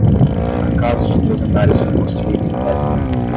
A casa de três andares foi construída em pedra.